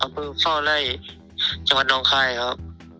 เป็นข้าวไล่จังหวัดนรงไฟครับ